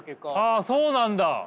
あそうなんだ。